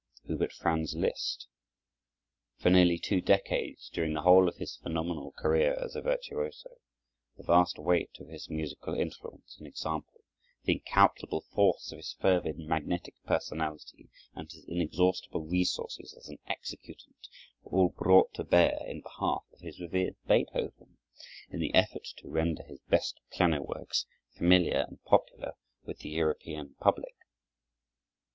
Who but Franz Liszt! For nearly two decades, during the whole of his phenomenal career as a virtuoso, the vast weight of his musical influence and example, the incalculable force of his fervid, magnetic personality, and his inexhaustible resources as an executant, were all brought to bear in behalf of his revered Beethoven, in the effort to render his best piano works familiar and popular with the European public.